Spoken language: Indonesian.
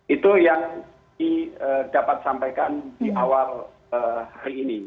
itu yang dapat disampaikan di awal hari ini